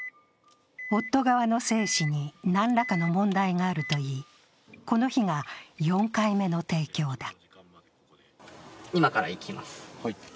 夫側の精子に何らかの問題があるといい、この日が４回目の提供だ。